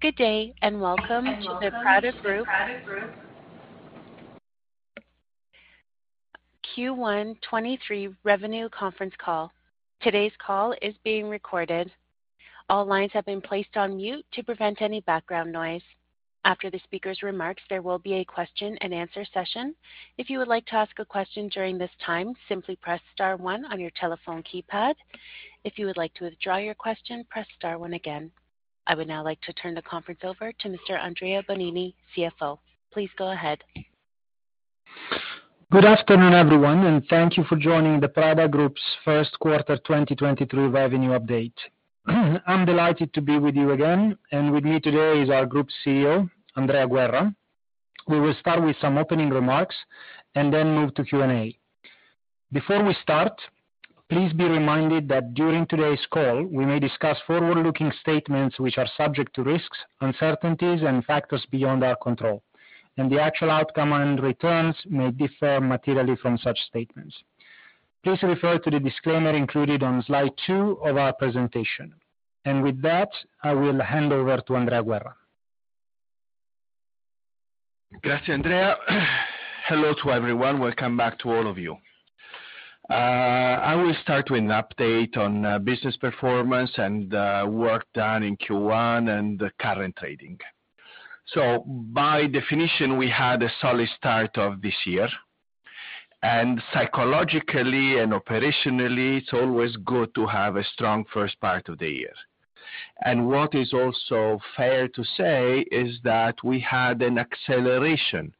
Good day and welcome to the Prada Group Q1 23 revenue conference call. Today's call is being recorded. All lines have been placed on mute to prevent any background noise. After the speaker's remarks, there will be a question-and-answer session. If you would like to ask a question during this time, simply press star one on your telephone keypad. If you would like to withdraw your question, press star one again. I would now like to turn the conference over to Mr. Andrea Bonini, CFO. Please go ahead. Good afternoon, everyone, and thank you for joining the Prada Group's first quarter 2023 revenue update. I'm delighted to be with you again, and with me today is our Group CEO, Andrea Guerra. We will start with some opening remarks and then move to Q&A. Before we start, please be reminded that during today's call, we may discuss forward-looking statements which are subject to risks, uncertainties and factors beyond our control, and the actual outcome and returns may differ materially from such statements. Please refer to the disclaimer included on slide two of our presentation. With that, I will hand over to Andrea Guerra. Hello to everyone. Welcome back to all of you. I will start with an update on business performance and work done in Q1 and the current trading. By definition, we had a solid start of this year, and psychologically and operationally, it's always good to have a strong 1st part of the year. What is also fair to say is that we had an acceleration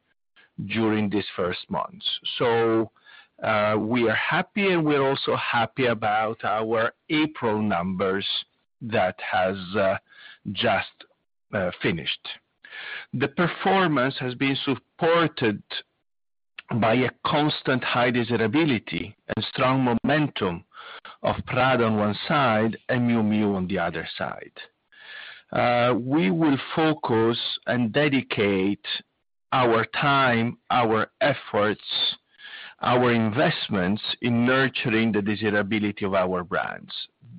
during these 1st months. We are happy, and we're also happy about our April numbers that has just finished. The performance has been supported by a constant high desirability and strong momentum of Prada on one side and Miu Miu on the other side. We will focus and dedicate our time, our efforts, our investments in nurturing the desirability of our brands.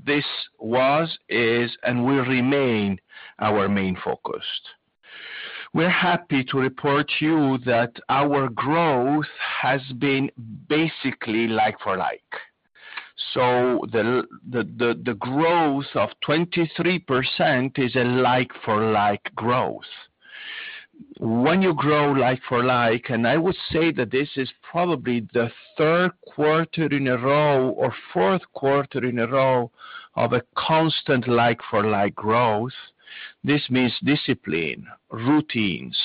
This was, is, and will remain our main focus. We're happy to report to you that our growth has been basically like-for-like. The growth of 23% is a like-for-like growth. When you grow like-for-like, and I would say that this is probably the third quarter in a row or fourth quarter in a row of a constant like-for-like growth. This means discipline, routines,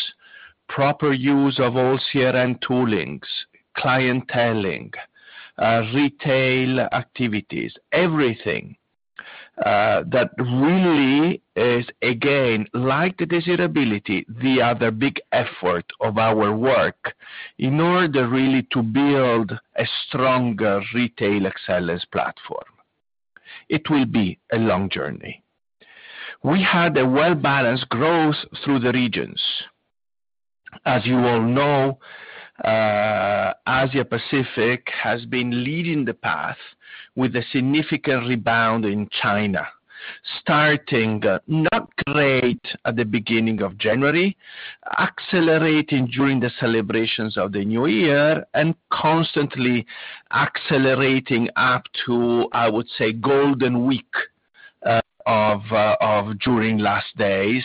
proper use of all CRM toolings, clienteling, retail activities, everything that really is again, like the desirability, the other big effort of our work in order really to build a stronger retail excellence platform. It will be a long journey. We had a well-balanced growth through the regions. As you all know, Asia-Pacific has been leading the path with a significant rebound in China, starting not great at the beginning of January, accelerating during the celebrations of the new year, and constantly accelerating up to, I would say, Golden Week, during last days,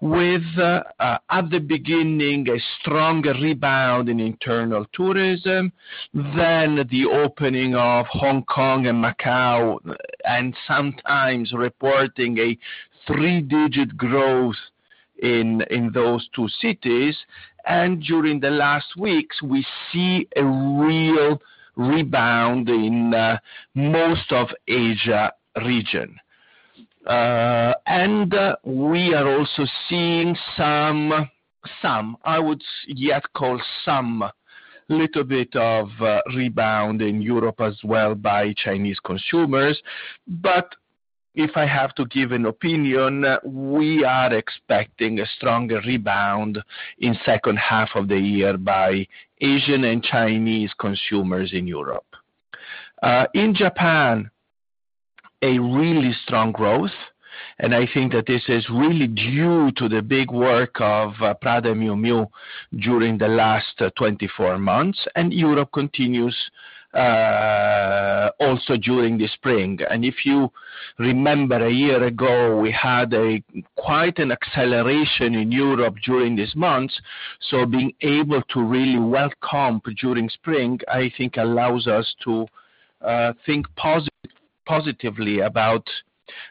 with, at the beginning, a strong rebound in internal tourism, then the opening of Hong Kong and Macau, and sometimes reporting a three-digit growth in those two cities. During the last weeks, we see a real rebound in, most of Asia region. We are also seeing some, I would yet call some little bit of, rebound in Europe as well by Chinese consumers. If I have to give an opinion, we are expecting a stronger rebound in second half of the year by Asian and Chinese consumers in Europe. In Japan, a really strong growth, and I think that this is really due to the big work of Prada Miu Miu during the last 24 months. Europe continues also during the spring. If you remember one year ago, we had a quite an acceleration in Europe during these months. Being able to really welcome during spring, I think allows us to think positively about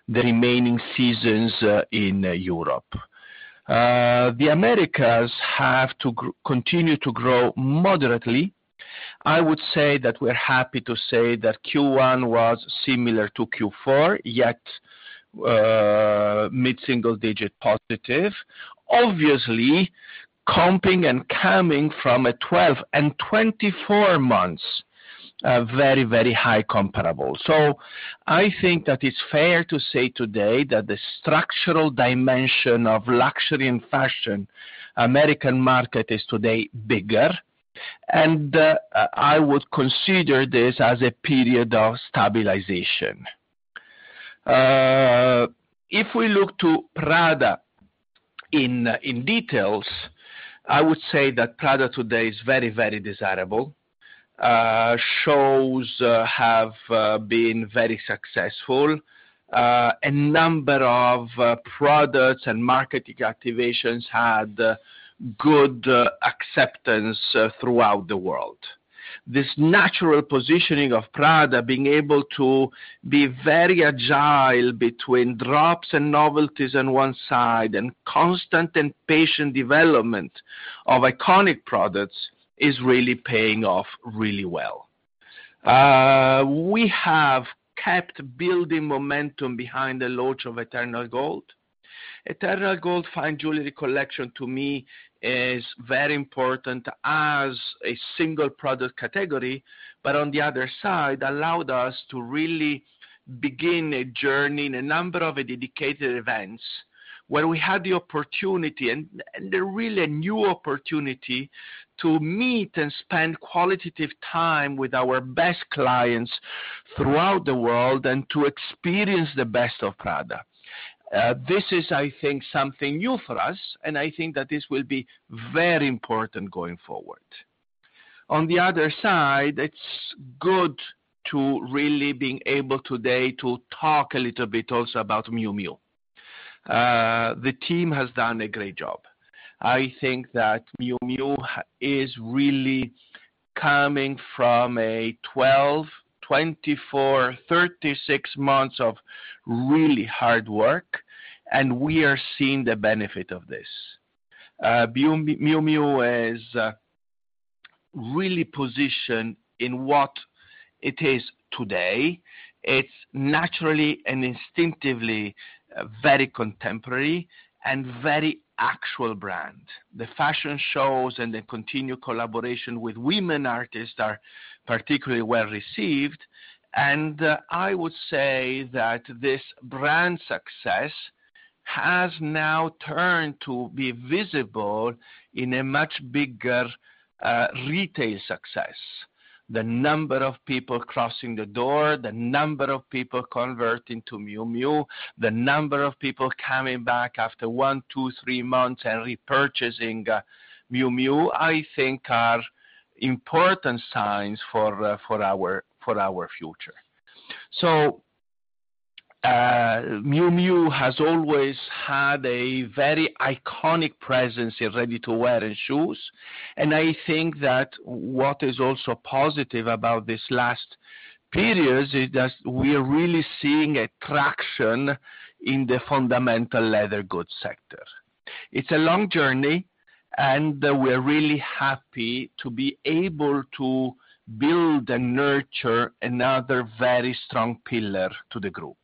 the remaining seasons in Europe. The Americas have to continue to grow moderately. I would say that we're happy to say that Q1 was similar to Q4, yet mid-single digit positive, obviously comping and coming from a 12 and 24 months very, very high comparable. I think that it's fair to say today that the structural dimension of luxury and fashion American market is today bigger. And, I would consider this as a period of stabilization. If we look to Prada in details, I would say that Prada today is very, very desirable. Shows have been very successful. A number of products and marketing activations had good acceptance throughout the world. This natural positioning of Prada being able to be very agile between drops and novelties on one side, and constant and patient development of iconic products is really paying off really well. We have kept building momentum behind the launch of Eternal Gold. Eternal Gold fine jewelry collection, to me, is very important as a single product category, on the other side, allowed us to really begin a journey in a number of dedicated events where we had the opportunity, and a really new opportunity, to meet and spend qualitative time with our best clients throughout the world and to experience the best of Prada. This is, I think, something new for us, I think that this will be very important going forward. On the other side, it's good to really being able today to talk a little bit also about Miu Miu. The team has done a great job. I think that Miu Miu is really coming from a 12, 24, 36 months of really hard work, we are seeing the benefit of this. Miu Miu is really positioned in what it is today. It's naturally an instinctively very contemporary and very actual brand. The fashion shows and the continued collaboration with women artists are particularly well-received. I would say that this brand success has now turned to be visible in a much bigger retail success. The number of people crossing the door, the number of people converting to Miu Miu, the number of people coming back after one, two, three months and repurchasing Miu Miu, I think are important signs for our future. Miu Miu has always had a very iconic presence in ready-to-wear and shoes, and I think that what is also positive about this last period is that we are really seeing a traction in the fundamental leather goods sector. It's a long journey, and we're really happy to be able to build and nurture another very strong pillar to the Group.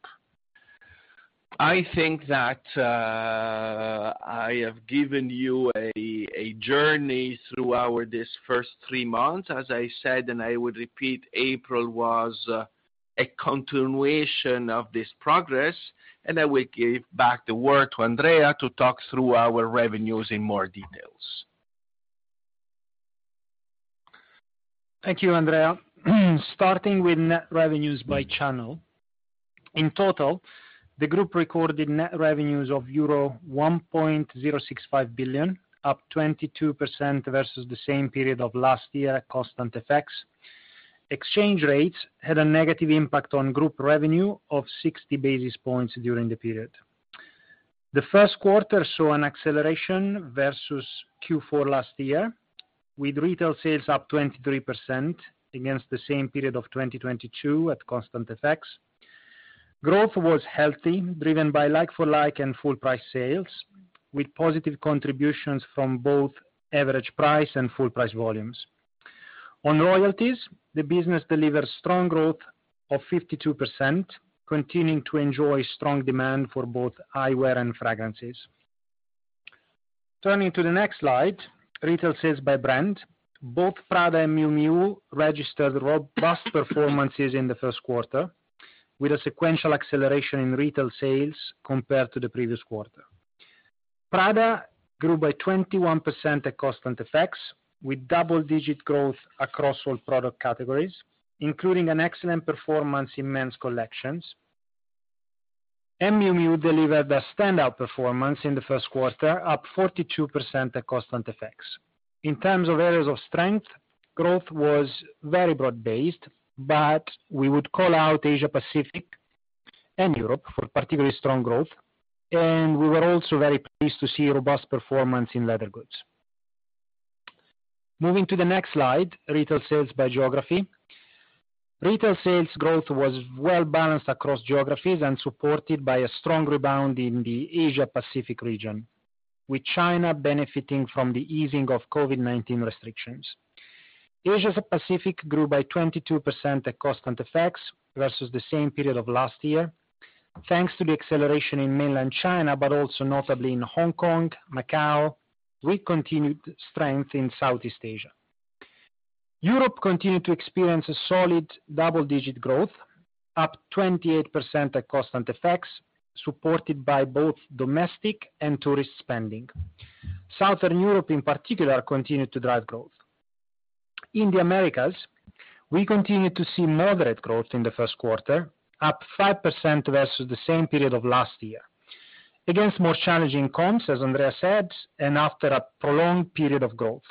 I think that I have given you a journey through these first three months. As I said, and I would repeat, April was a continuation of this progress, and I will give back the word to Andrea to talk through our revenues in more details. Thank you, Andrea. Starting with net revenues by channel. In total, the group recorded net revenues of euro 1.065 billion, up 22% versus the same period of last year at constant effects. Exchange rates had a negative impact on group revenue of 60 basis points during the period. The first quarter saw an acceleration versus Q4 last year, with retail sales up 23% against the same period of 2022 at constant effects. Growth was healthy, driven by like-for-like and full price sales, with positive contributions from both average price and full price volumes. On royalties, the business delivered strong growth of 52%, continuing to enjoy strong demand for both eyewear and fragrances. Turning to the next slide, retail sales by brand. Both Prada and Miu Miu registered robust performances in the first quarter, with a sequential acceleration in retail sales compared to the previous quarter. Prada grew by 21% at constant effects, with double-digit growth across all product categories, including an excellent performance in men's collections. Miu Miu delivered a standout performance in the first quarter, up 42% at constant effects. In terms of areas of strength, growth was very broad-based, but we would call out Asia-Pacific and Europe for particularly strong growth, and we were also very pleased to see robust performance in leather goods. Moving to the next slide, retail sales by geography. Retail sales growth was well-balanced across geographies and supported by a strong rebound in the Asia-Pacific region, with China benefiting from the easing of COVID-19 restrictions. Asia-Pacific grew by 22% at constant effects versus the same period of last year, thanks to the acceleration in mainland China, but also notably in Hong Kong, Macau, with continued strength in Southeast Asia. Europe continued to experience a solid double-digit growth. Up 28% at constant effects, supported by both domestic and tourist spending. Southern Europe in particular continued to drive growth. In the Americas, we continued to see moderate growth in the first quarter, up 5% versus the same period of last year. Against more challenging comps, as Andrea said, and after a prolonged period of growth.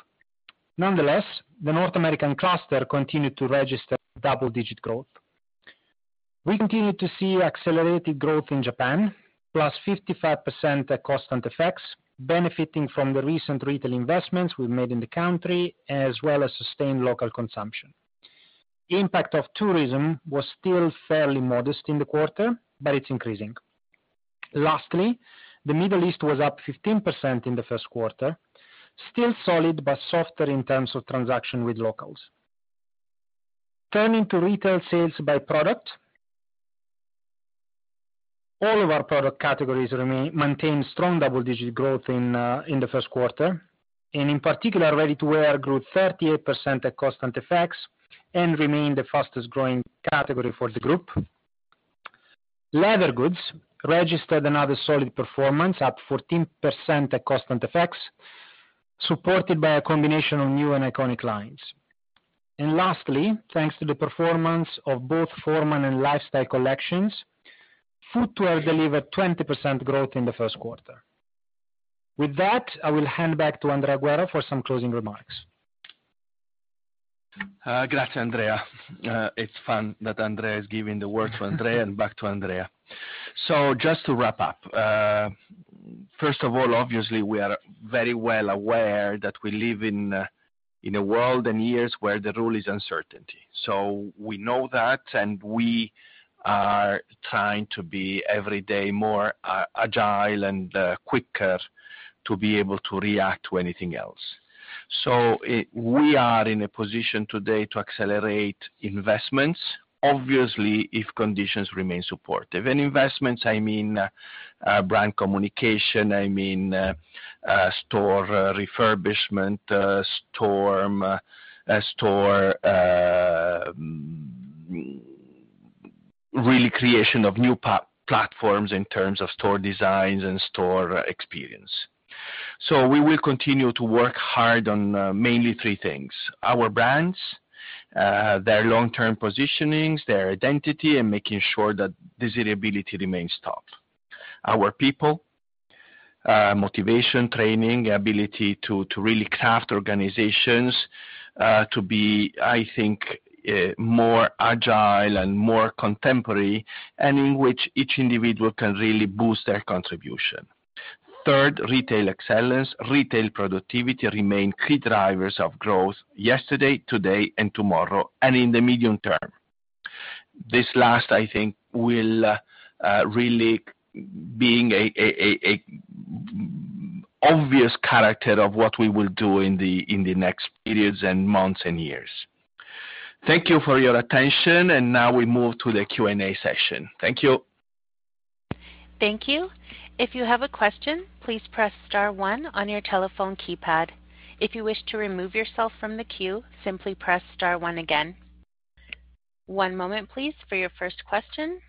Nonetheless, the North American cluster continued to register double-digit growth. We continued to see accelerated growth in Japan, +55% at constant effects, benefiting from the recent retail investments we made in the country, as well as sustained local consumption. Impact of tourism was still fairly modest in the quarter, but it's increasing. Lastly, the Middle East was up 15% in the first quarter, still solid, but softer in terms of transaction with locals. Turning to retail sales by product. All of our product categories Maintained strong double-digit growth in the first quarter, and in particular, ready-to-wear grew 38% at constant effects and remained the fastest-growing category for the group. Leather goods registered another solid performance, up 14% at constant effects, supported by a combination of new and iconic lines. Lastly, thanks to the performance of both formal and lifestyle collections, footwear delivered 20% growth in the first quarter. With that, I will hand back to Andrea Guerra for some closing remarks. Andrea. It's fun that Andrea is giving the word to Andrea and back to Andrea. Just to wrap up. First of all, obviously we are very well aware that we live in a world and years where the rule is uncertainty. We know that, and we are trying to be every day more agile and quicker to be able to react to anything else. We are in a position today to accelerate investments, obviously, if conditions remain supportive. And investments, I mean, brand communication, I mean, store refurbishment, store, really creation of new platforms in terms of store designs and store experience. We will continue to work hard on mainly three things. Our brands, their long-term positionings, their identity, and making sure that desirability remains top. Our people, motivation, training, ability to really craft organizations to be, I think, more agile and more contemporary, and in which each individual can really boost their contribution. Third, retail excellence. Retail productivity remain key drivers of growth yesterday, today, and tomorrow, and in the medium term. This last, I think, will really being a obvious character of what we will do in the next periods and months and years. Thank you for your attention, now we move to the Q&A session. Thank you. Thank you. If you have a question, please press star one on your telephone keypad. If you wish to remove yourself from the queue, simply press star one again. One moment, please, for your first question.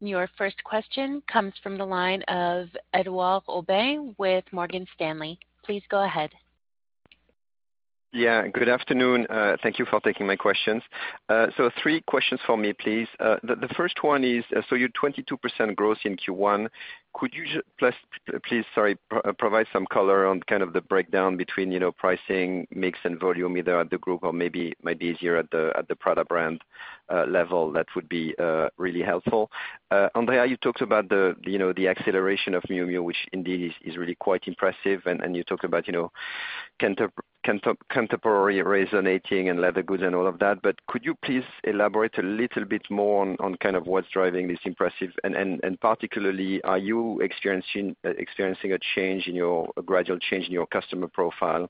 Your first question comes from the line of Edouard Aubin with Morgan Stanley. Please go ahead. Yeah, Good afternoon. Thank you for taking my questions. Three questions from me, please. The first one is, you're 22% growth in Q1. Could you just please provide some color on kind of the breakdown between, you know, pricing, mix, and volume, either at the group or maybe, might be easier at the Prada brand level. That would be really helpful. Andrea, you talked about the, you know, acceleration of Miu Miu, which indeed is really quite impressive. You talk about, you know, contemporary resonating and leather goods and all of that. Could you please elaborate a little bit more on kind of what's driving this impressive? Particularly, are you experiencing a gradual change in your customer profile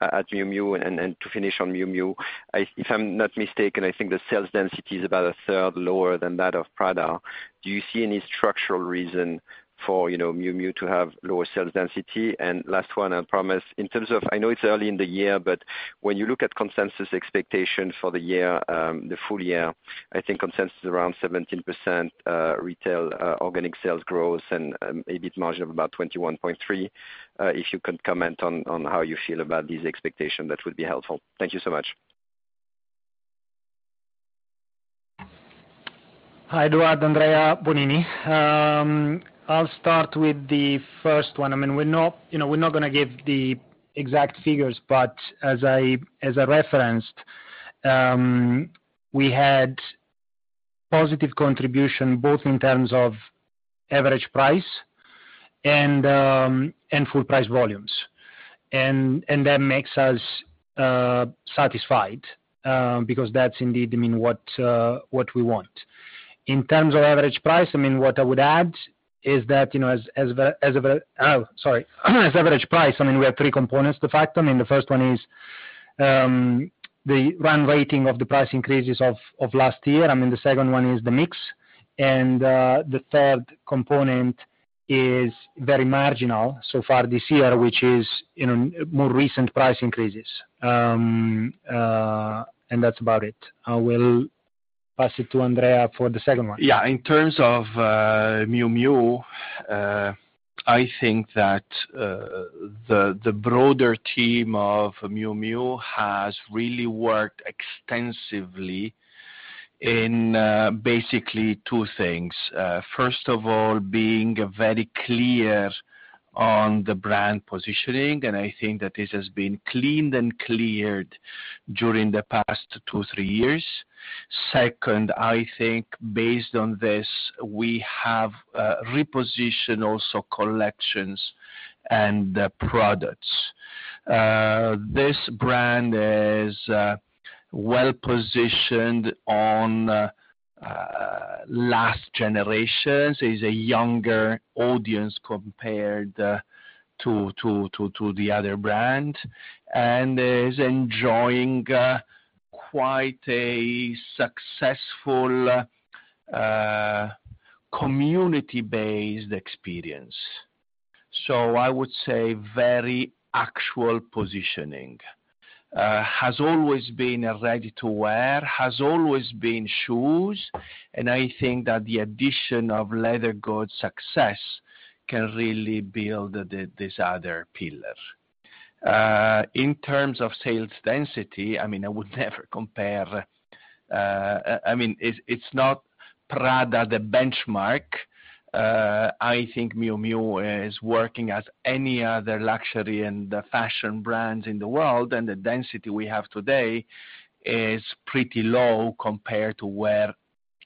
at Miu Miu? To finish on Miu Miu, If I'm not mistaken, I think the sales density is about a third lower than that of Prada. Do you see any structural reason for, you know, Miu Miu to have lower sales density? Last one, I promise. I know it's early in the year, but when you look at consensus expectations for the year, the full year, I think consensus is around 17% retail organic sales growth and EBIT margin of about 21.3%. If you could comment on how you feel about these expectations, that would be helpful. Thank you so much. Hi, Edouard. Andrea Bonini. I'll start with the first one. I mean, we're not, you know, we're not gonna give the exact figures, as I referenced, we had positive contribution both in terms of average price and full price volumes. That makes us satisfied, because that's indeed, I mean, what we want. In terms of average price, I mean, what I would add is that, you know, as average price, I mean, we have three components to factor in. The first one is the run rating of the price increases of last year. I mean, the second one is the mix, and the third component is very marginal so far this year, which is, you know, more recent price increases. That's about it. I will pass it to Andrea for the second one. In terms of Miu Miu, I think that the broader team of Miu Miu has really worked extensively in basically two things. First of all, being very clear on the brand positioning, and I think that this has been cleaned and cleared during the past two, three years. Second, I think based on this, we have repositioned also collections and the products. This brand is well-positioned on last generations, is a younger audience compared to the other brand, and is enjoying quite a successful community-based experience. I would say very actual positioning. Has always been a ready-to-wear, has always been shoes, and I think that the addition of leather goods success can really build this other pillar. In terms of sales density, I mean, I would never compare... I mean, it's not Prada the benchmark. I think Miu Miu is working as any other luxury and fashion brand in the world, and the density we have today is pretty low compared to where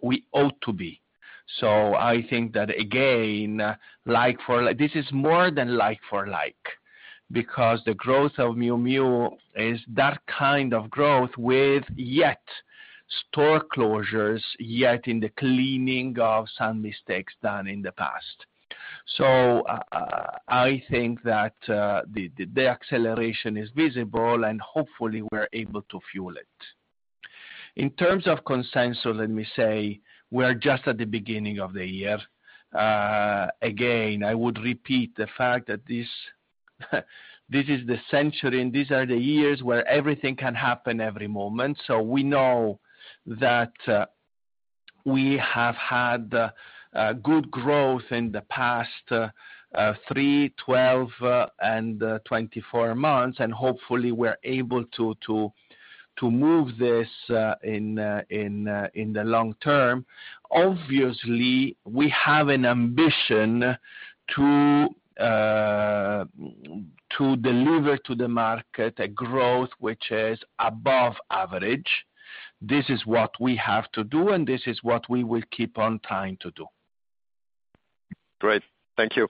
we ought to be. I think that again, like-for-like. This is more than like-for-like, because the growth of Miu Miu is that kind of growth with yet store closures, yet in the cleaning of some mistakes done in the past. I think that, the acceleration is visible, and hopefully we're able to fuel it. In terms of consensus, let me say, we're just at the beginning of the year. Again, I would repeat the fact that this is the century and these are the years where everything can happen every moment. We know that we have had a good growth in the past three, 12, and 24 months, and hopefully we're able to move this in the long term. Obviously, we have an ambition to deliver to the market a growth which is above average. This is what we have to do, and this is what we will keep on trying to do. Great. Thank you.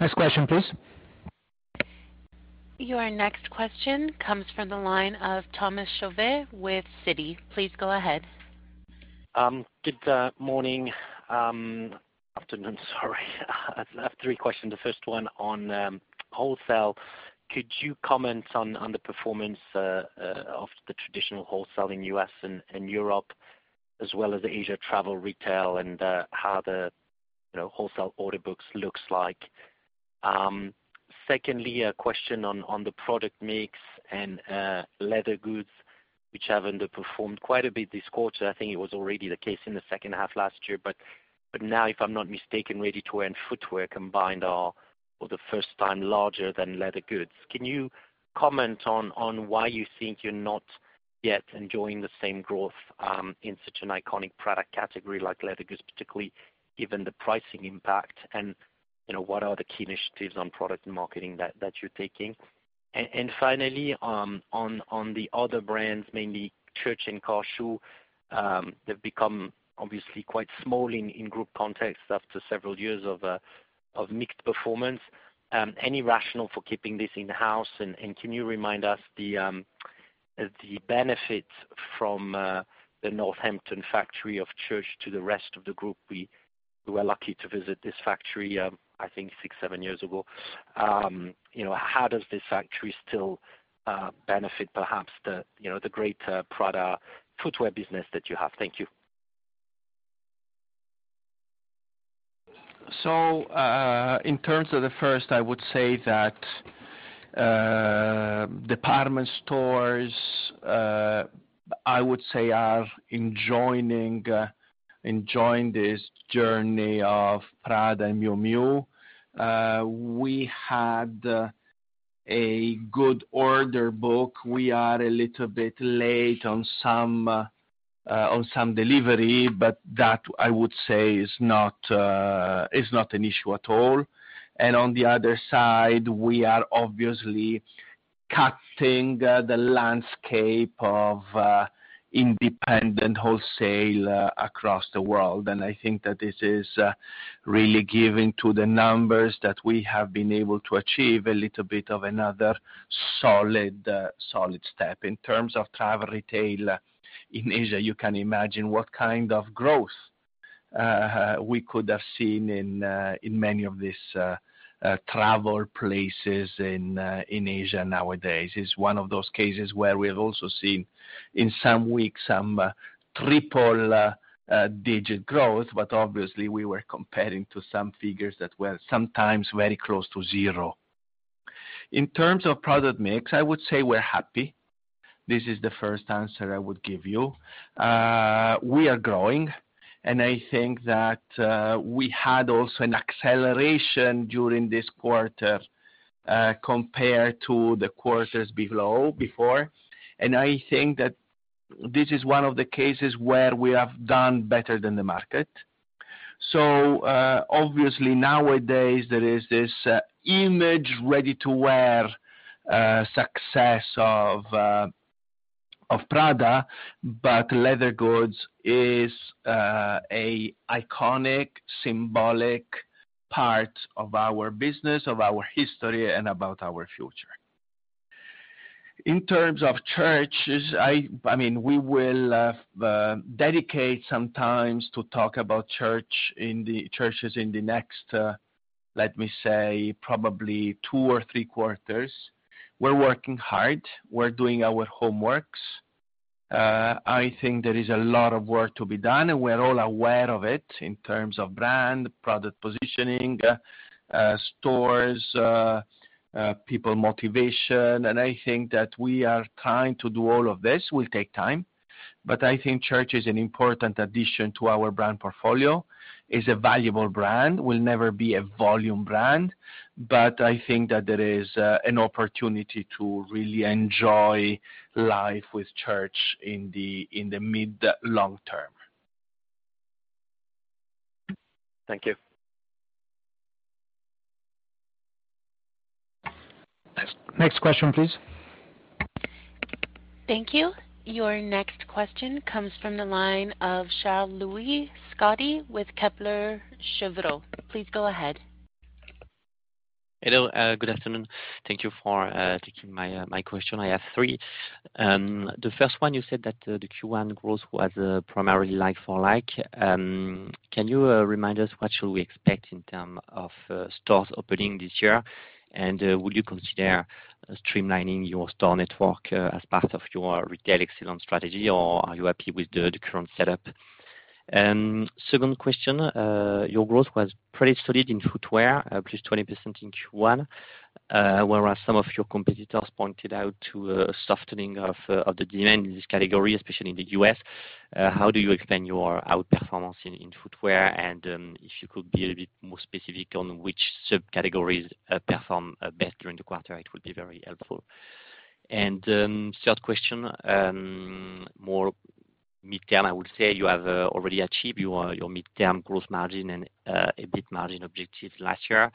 Next question, please. Your next question comes from the line of Thomas Chauvet with Citi. Please go ahead. Good morning, afternoon, sorry. I have three questions. The first one on wholesale. Could you comment on the performance of the traditional wholesale in U.S. and Europe, as well as the Asia travel retail and how the, you know, wholesale order books looks like? Secondly, a question on the product mix and leather goods, which have underperformed quite a bit this quarter. I think it was already the case in the second half last year. Now, if I'm not mistaken, ready to wear and footwear combined are for the first time larger than leather goods. Can you comment on why you think you're not yet enjoying the same growth in such an iconic product category like leather goods, particularly given the pricing impact? You know, what are the key initiatives on product marketing that you're taking? Finally, on the other brands, mainly Church's and Car Shoe, they've become obviously quite small in group context after several years of mixed performance. Any rationale for keeping this in-house? Can you remind us the benefit from the Northampton factory of Church's to the rest of the group? We were lucky to visit this factory, I think six, seven years ago. You know, how does this factory still benefit perhaps the, you know, the greater Prada footwear business that you have? Thank you. In terms of the first, I would say that department stores, I would say are enjoying this journey of Prada and Miu Miu. We had a good order book. We are a little bit late on some on some delivery, but that I would say is not an issue at all. On the other side, we are obviously cutting the landscape of independent wholesale across the world. I think that this is really giving to the numbers that we have been able to achieve a little bit of another solid step. In terms of travel retail in Asia, you can imagine what kind of growth we could have seen in in many of these travel places in in Asia nowadays. It's one of those cases where we've also seen in some weeks some triple-digit growth. Obviously, we were comparing to some figures that were sometimes very close to zero. In terms of product mix, I would say we're happy. This is the first answer I would give you. We are growing, I think that we had also an acceleration during this quarter compared to the quarters below, before. I think that this is one of the cases where we have done better than the market. Obviously, nowadays, there is this image ready-to-wear success of Prada, leather goods is a iconic, symbolic part of our business, of our history, and about our future. In terms of Church's, I mean, we will dedicate some times to talk about Church's in the... Church's in the next, let me say probably two or three quarters. We're working hard. We're doing our homeworks. I think there is a lot of work to be done, and we're all aware of it in terms of brand, product positioning, stores, people motivation. I think that we are trying to do all of this. We'll take time. I think Church's is an important addition to our brand portfolio, is a valuable brand, will never be a volume brand. I think that there is an opportunity to really enjoy life with Church's in the mid long term. Thank you. Next. Next question, please. Thank you. Your next question comes from the line of Charles-Louis Scotti with Kepler Cheuvreux. Please go ahead. Hello. Good afternoon. Thank you for taking my question. I have three. The first one, you said that the Q1 growth was primarily like-for-like. Can you remind us what should we expect in terms of stores opening this year? Would you consider streamlining your store network as part of your retail excellence strategy, or are you happy with the current setup? Second question, your growth was pretty solid in footwear, +20% in Q1, whereas some of your competitors pointed out to a softening of the demand in this category, especially in the U.S. How do you expand your outperformance in footwear? If you could be a bit more specific on which subcategories perform best during the quarter, it would be very helpful. Third question, more midterm, I would say. You have already achieved your midterm growth margin and EBIT margin objectives last year.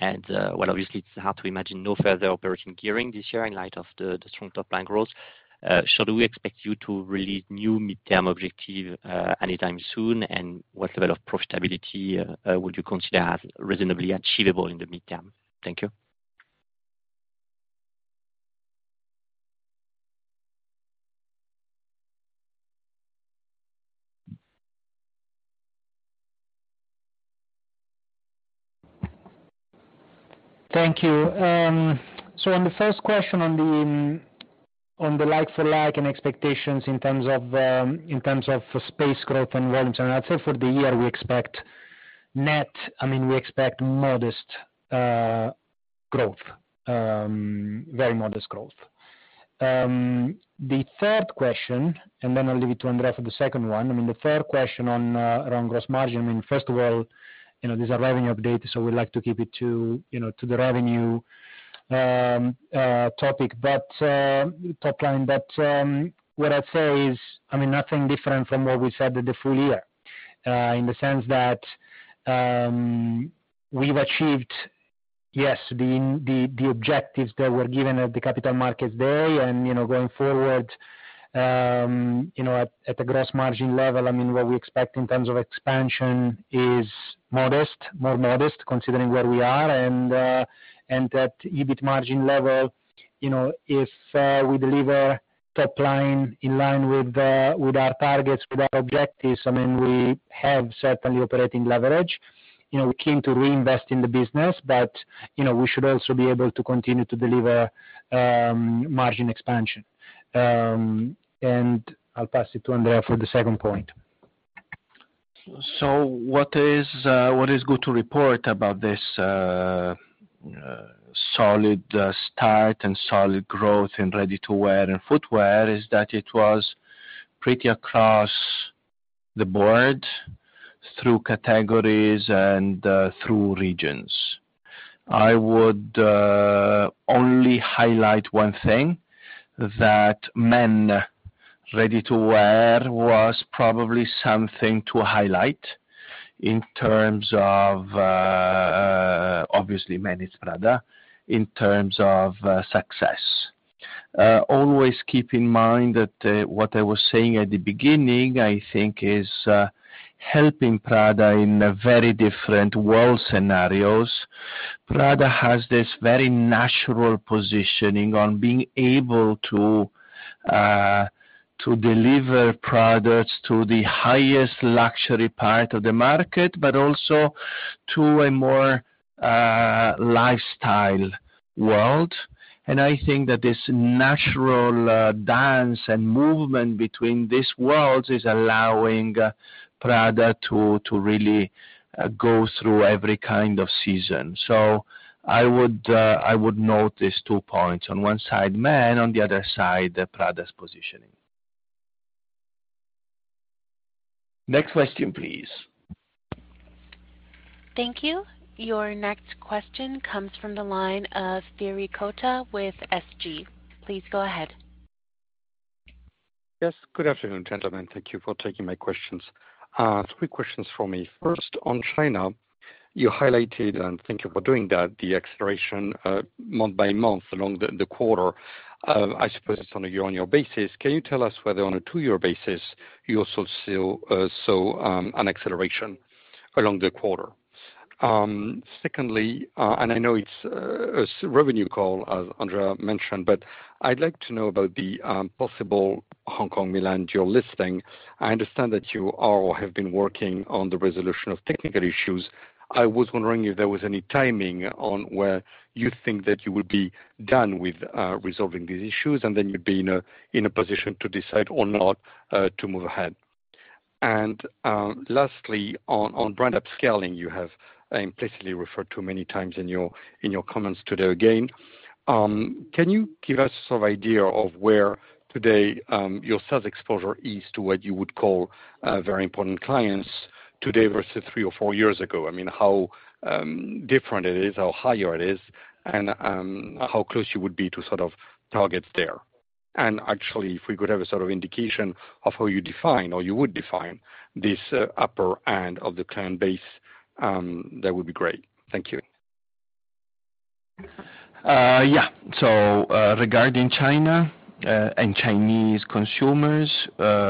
Well, obviously, it's hard to imagine no further operating gearing this year in light of the strong top-line growth. Should we expect you to release new midterm objective anytime soon? What level of profitability would you consider as reasonably achievable in the midterm? Thank you. Thank you. On the first question on the like-for-like and expectations in terms of space growth and volumes, I'd say for the year I mean, we expect modest growth, very modest growth. The third question, then I'll leave it to Andrea for the second one. I mean, the third question on around gross margin, I mean, first of all, you know, these are revenue updates, we like to keep it to, you know, to the revenue topic. Top line. What I'd say is, I mean, nothing different from what we said at the full year. In the sense that we've achieved, yes, the objectives that were given at the Capital Markets Day. You know, going forward, you know, at the gross margin level, I mean, what we expect in terms of expansion is modest, more modest considering where we are. At that EBIT margin level, you know, if we deliver top line in line with our targets, with our objectives, I mean, we have certainly operating leverage. You know, we came to reinvest in the business, but, you know, we should also be able to continue to deliver margin expansion. I'll pass it to Andrea for the second point. What is good to report about this solid start and solid growth in ready-to-wear and footwear is that it was pretty across the board through categories and through regions. I would only highlight one thing, that men ready-to-wear was probably something to highlight in terms of, obviously men is Prada, in terms of, success. Always keep in mind that, what I was saying at the beginning, I think, is helping Prada in a very different world scenarios. Prada has this very natural positioning on being able to deliver products to the highest luxury part of the market, but also to a more, lifestyle world. I think that this natural, dance and movement between these worlds is allowing Prada to really go through every kind of season. I would note these two points. On one side, men, on the other side, the Prada's positioning. Next question, please. Thank you. Your next question comes from the line of Thierry Cota with SG. Please go ahead. Yes. Good afternoon, gentlemen. Thank you for taking my questions. Three questions for me. First, on China, you highlighted, and thank you for doing that, the acceleration, month by month along the quarter. I suppose it's on a year-on-year basis. Can you tell us whether on a two-year basis you also still saw an acceleration along the quarter? Secondly, I know it's a revenue call, as Andrea mentioned, but I'd like to know about the possible Hong Kong-Milan dual listing. I understand that you are or have been working on the resolution of technical issues. I was wondering if there was any timing on where you think that you will be done with resolving these issues, and then you'd be in a position to decide or not to move ahead. Lastly, on brand upscaling, you have implicitly referred to many times in your, in your comments today again. Can you give us some idea of where today, your sales exposure is to what you would call, very important clients today versus three or four years ago? I mean, how different it is or higher it is, and how close you would be to sort of targets there. Actually, if we could have a sort of indication of how you define or you would define this upper end of the client base, that would be great. Thank you. Regarding China and Chinese consumers, as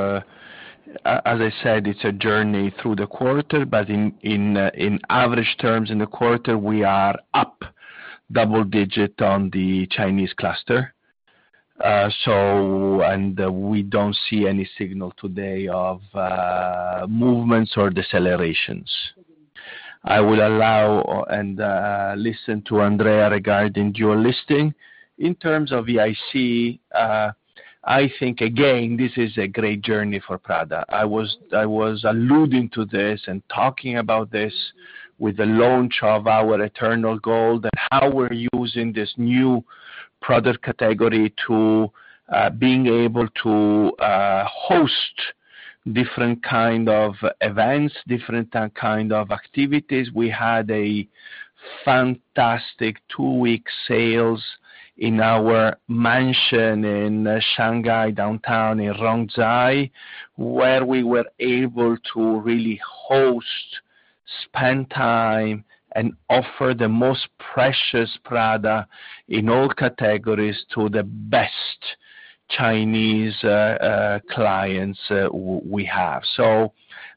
I said, it's a journey through the quarter, but in average terms in the quarter, we are up double-digit on the Chinese cluster. We don't see any signal today of movements or decelerations. I will allow and listen to Andrea regarding dual listing. In terms of VIC, I think again, this is a great journey for Prada. I was alluding to this and talking about this with the launch of our Eternal Gold, that how we're using this new product category to being able to host different kind of events, different kind of activities. We had a fantastic two-week sales in our mansion in Shanghai, downtown in Rong Zhai, where we were able to really host, spend time, and offer the most precious Prada in all categories to the best Chinese clients we have.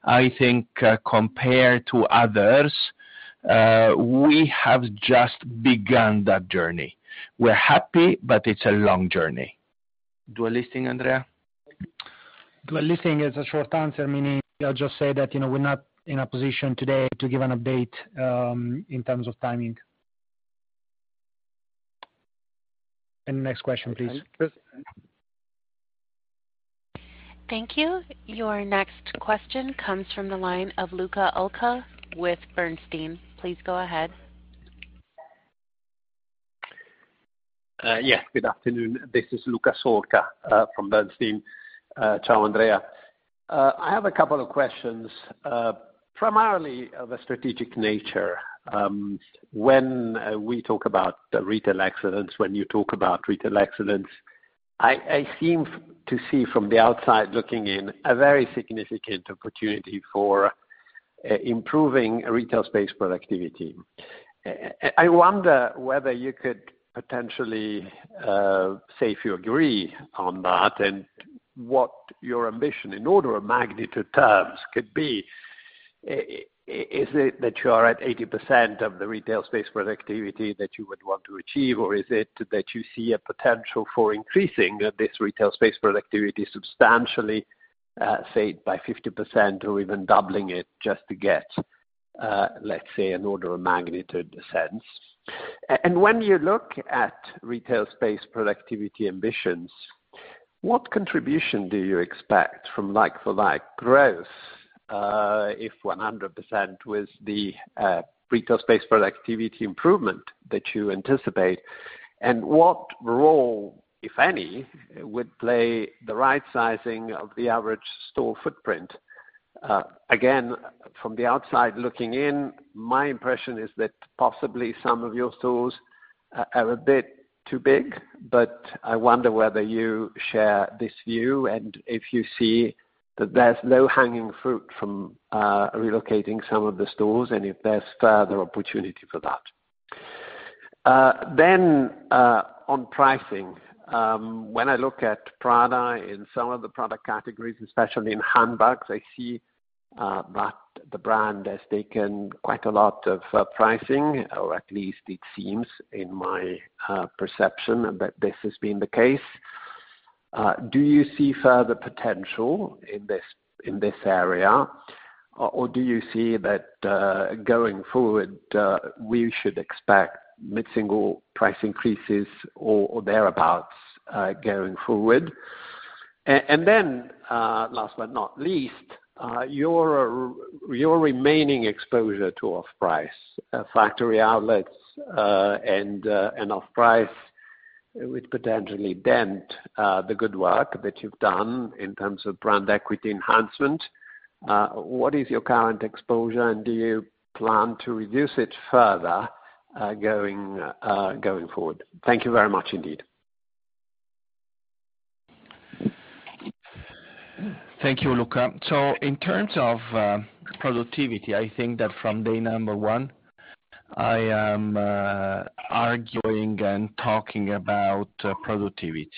I think, compared to others, we have just begun that journey. We're happy, but it's a long journey. Dual listing, Andrea? Dual listing is a short answer, meaning I'll just say that, you know, we're not in a position today to give an update, in terms of timing. Next question, please. Thank you. Your next question comes from the line of Luca Solca with Bernstein. Please go ahead. Yeah. Good afternoon. This is Luca Solca from Bernstein. Ciao, Andrea. I have two questions, primarily of a strategic nature. When we talk about the retail excellence, when you talk about retail excellence, I seem to see from the outside looking in a very significant opportunity for improving retail space productivity. I wonder whether you could potentially say if you agree on that and what your ambition in order of magnitude terms could be. Is it that you are at 80% of the retail space productivity that you would want to achieve, or is it that you see a potential for increasing this retail space productivity substantially, say by 50% or even doubling it just to get, let's say, an order of magnitude sense? When you look at retail space productivity ambitions, what contribution do you expect from like-for-like growth, if 100% was the retail space productivity improvement that you anticipate? What role, if any, would play the right sizing of the average store footprint? Again, from the outside looking in, my impression is that possibly some of your stores are a bit too big, but I wonder whether you share this view and if you see that there's low hanging fruit from relocating some of the stores and if there's further opportunity for that. On pricing, when I look at Prada in some of the product categories, especially in handbags, I see that the brand has taken quite a lot of pricing, or at least it seems in my perception that this has been the case. Do you see further potential in this, in this area, or do you see that going forward, we should expect mid-single price increases or thereabouts going forward? Last but not least, your remaining exposure to off-price factory outlets and off-price would potentially dent the good work that you've done in terms of brand equity enhancement. What is your current exposure, and do you plan to reduce it further going forward? Thank you very much indeed. Thank you, Luca. In terms of productivity, I think that from day number one, I am arguing and talking about productivity.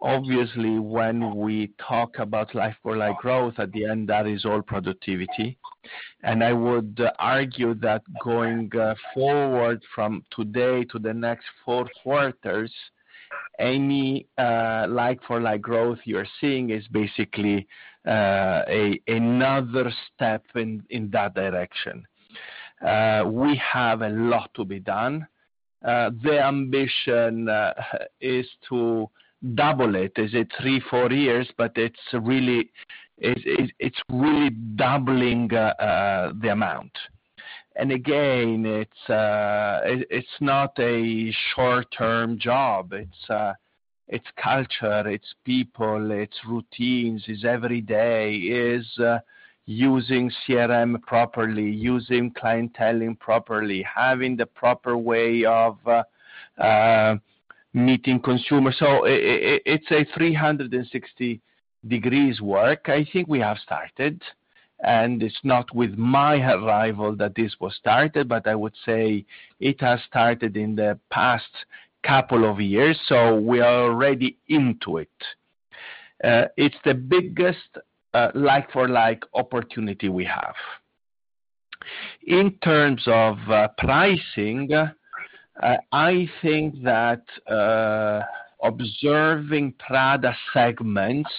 Obviously, when we talk about like-for-like growth, at the end, that is all productivity. I would argue that going forward from today to the next four quarters, any like-for-like growth you're seeing is basically another step in that direction. We have a lot to be done. The ambition is to double it. Is it three, four years? It's really doubling the amount. Again, it's not a short-term job. It's culture, it's people, it's routines, it's every day, it's using CRM properly, using clienteling properly, having the proper way of meeting consumers. It's a 360 degrees work. I think we have started, and it's not with my arrival that this was started, but I would say it has started in the past couple of years, so we are already into it. It's the biggest like-for-like opportunity we have. In terms of pricing, I think that observing Prada segments,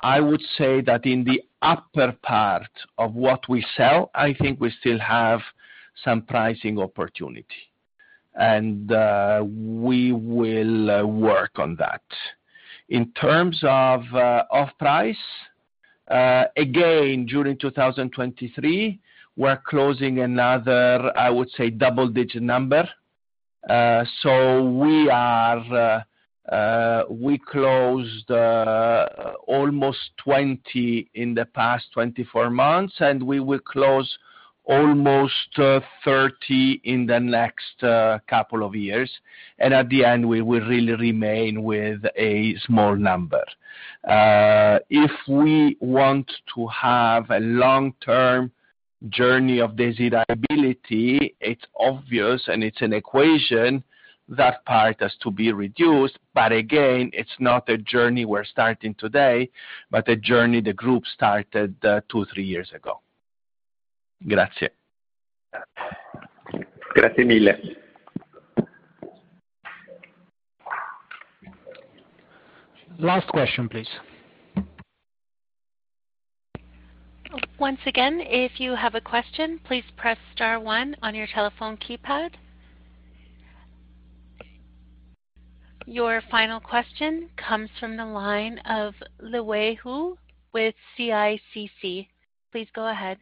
I would say that in the upper part of what we sell, I think we still have some pricing opportunity, and we will work on that. In terms of off price, again, during 2023, we're closing another, I would say, double-digit number. We are, we closed almost 20 in the past 24 months, and we will close almost 30 in the next couple of years. At the end, we will really remain with a small number. If we want to have a long-term journey of desirability, it's obvious, and it's an equation, that part has to be reduced. Again, it's not a journey we're starting today, but a journey the group started, two, three years ago. Grazie. Grazie mille. Last question, please. Once again, if you have a question, please press star one on your telephone keypad. Your final question comes from the line of Liwei Hou with CICC. Please go ahead.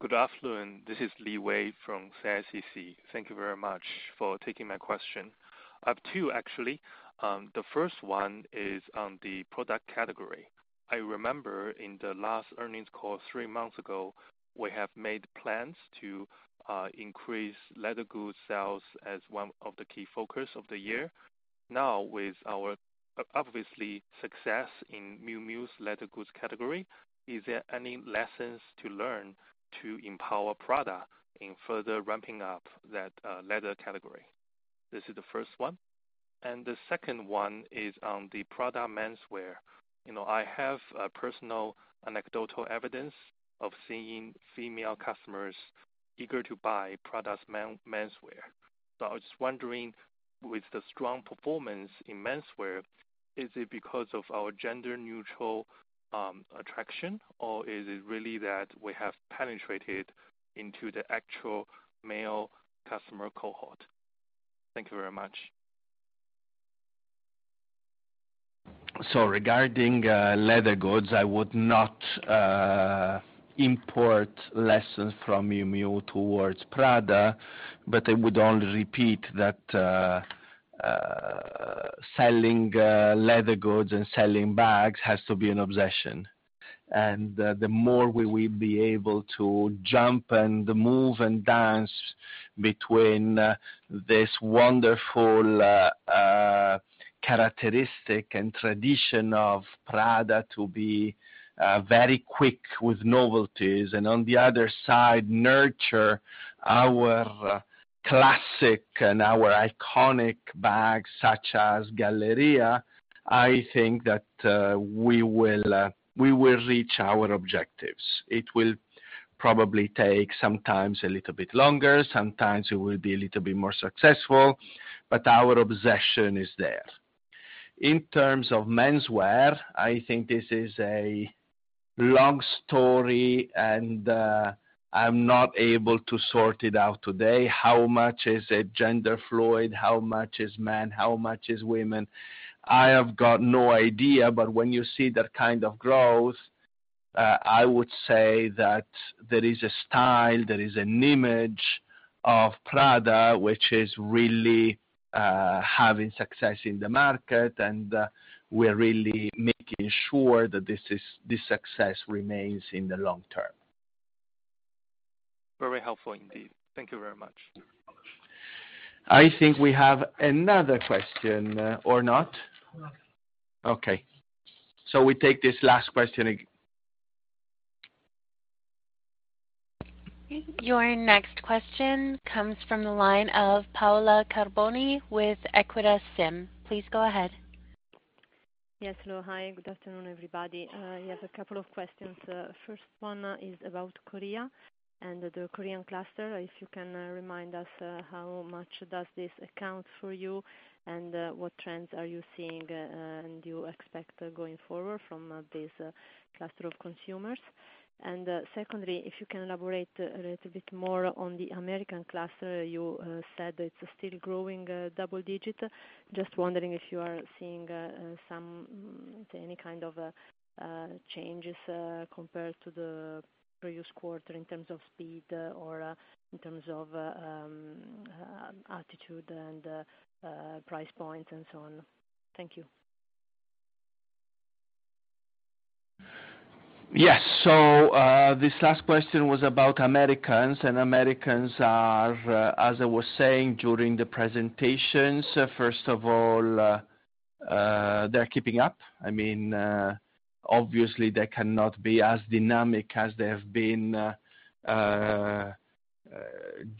Good afternoon. This is Liwei from CICC. Thank you very much for taking my question. I have two, actually. The first one is on the product category. I remember in the last earnings call three months ago, we have made plans to increase leather goods sales as one of the key focus of the year. Now, with our obviously success in Miu Miu's leather goods category, is there any lessons to learn to empower Prada in further ramping up that leather category? This is the first one. The second one is on the Prada menswear. You know, I have a personal anecdotal evidence of seeing female customers eager to buy Prada's menswear. I was just wondering, with the strong performance in menswear, is it because of our gender-neutral attraction, or is it really that we have penetrated into the actual male customer cohort? Thank you very much. Regarding leather goods, I would not import lessons from Miu Miu towards Prada, but I would only repeat that selling leather goods and selling bags has to be an obsession. The more we will be able to jump and move and dance between this wonderful characteristic and tradition of Prada to be very quick with novelties, and on the other side, nurture our classic and our iconic bags such as Galleria, I think that we will we will reach our objectives. It will probably take sometimes a little bit longer, sometimes it will be a little bit more successful, but our obsession is there. In terms of menswear, I think this is a long story, and I'm not able to sort it out today. How much is it gender fluid? How much is man? How much is women? I have got no idea, but when you see that kind of growth, I would say that there is a style, there is an image of Prada which is really, having success in the market, and, we're really making sure that this success remains in the long term. Very helpful indeed. Thank you very much. I think we have another question, or not? No. Okay. We take this last question. Your next question comes from the line of Paola Carboni with Equita SIM. Please go ahead. Yes. Hello. Hi. Good afternoon, everybody. Yes, a couple of questions. First one, is about Korea and the Korean cluster. If you can remind us, how much does this account for you, and what trends are you seeing, and you expect going forward from this cluster of consumers? Secondly, if you can elaborate a little bit more on the American cluster. You said it's still growing double digit. Just wondering if you are seeing some, any kind of changes compared to the previous quarter in terms of speed or in terms of attitude and price points and so on. Thank you. Yes. This last question was about Americans, and Americans are, as I was saying during the presentations, first of all, they're keeping up. I mean, obviously, they cannot be as dynamic as they have been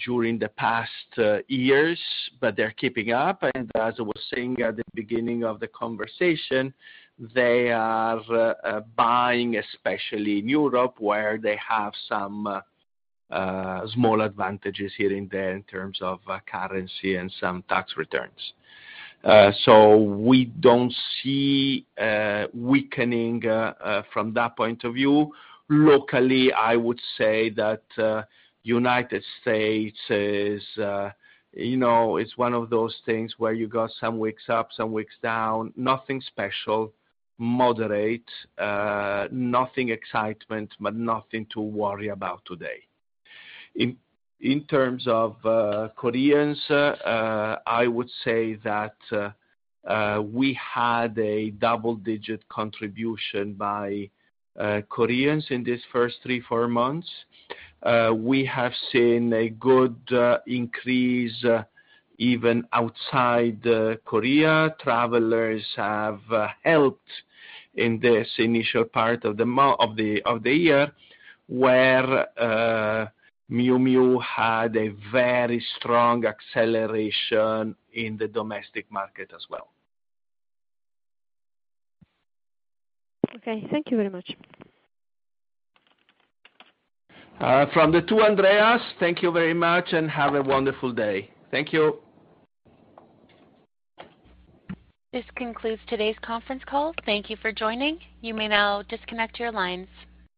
during the past years, but they're keeping up. As I was saying at the beginning of the conversation, they are buying, especially in Europe, where they have some small advantages here and there in terms of currency and some tax returns. We don't see a weakening from that point of view. Locally, I would say that United States is, you know, it's one of those things where you got some weeks up, some weeks down, nothing special, moderate, nothing excitement, but nothing to worry about today. In terms of Koreans, I would say that we had a double-digit contribution by Koreans in these first three, four months. We have seen a good increase even outside Korea. Travelers have helped in this initial part of the year, where Miu Miu had a very strong acceleration in the domestic market as well. Okay. Thank you very much. From the two Andreas, thank you very much, and have a wonderful day. Thank you. This concludes today's conference call. Thank you for joining. You may now disconnect your lines.